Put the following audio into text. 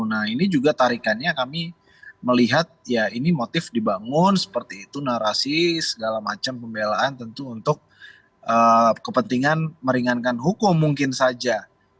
nah ini juga tarikannya kami melihat ya ini motif dibangun seperti itu narasi segala macam pembelaan tentu untuk kepentingan meringankan hukum mungkin saja